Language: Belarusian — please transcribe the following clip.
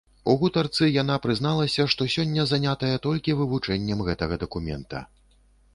У гутарцы яна прызналася, што сёння занятая толькі вывучэннем гэтага дакумента.